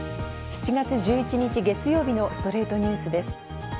７月１１日、月曜日の『ストレイトニュース』です。